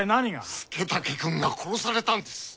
佐武くんが殺されたんです！